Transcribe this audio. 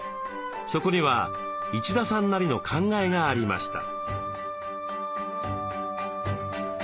そこには一田さんなりの考えがありました。